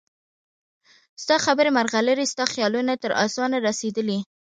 ستا خبرې مرغلرې ستا خیالونه تر اسمانه رسیدلي